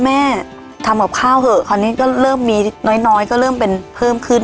แม่ทำกับข้าวเถอะคราวนี้ก็เริ่มมีน้อยก็เริ่มเป็นเพิ่มขึ้น